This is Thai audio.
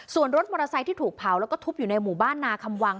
ส่วนรถมอเตอร์ไซค์ที่ถูกเผาแล้วก็ทุบอยู่ในหมู่บ้านนาคำวัง